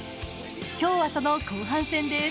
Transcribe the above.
今日はその後半戦です。